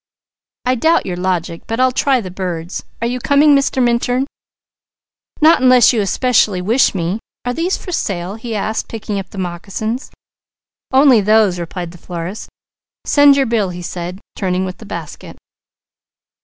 "I doubt your logic, but I'll try the birds. Are you coming Mr. Minturn?" "Not unless you especially wish me. Are these for sale?" he asked, picking up the moccasins. "Only those," replied the florist. "Send your bill," he said, turning with the basket.